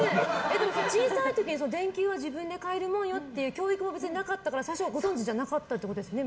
でも、小さい時に電球は自分でかえるものよという教育も別になかったから最初はご存じじゃなかったってことですよね